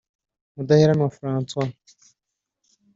Mudaheranwa Francois